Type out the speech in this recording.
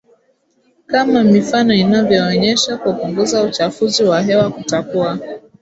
kama mifano inavyoonyesha kupunguza uchafuzi wa hewa kutakuwa